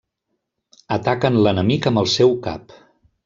Ataquen l'enemic amb el seu cap.